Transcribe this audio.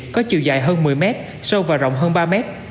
có chiều dài hơn một mươi mét sâu và rộng hơn ba mét